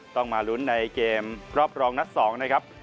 ต้องมาลุ้นในเกมรอบรองนัด๒นะครับ